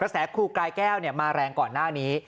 แสครูกายแก้วมาแรงก่อนหน้านี้